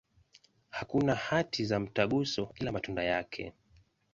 Hakuna hati za mtaguso, ila matunda yake.